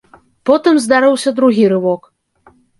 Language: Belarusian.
Потым здарыўся другі рывок.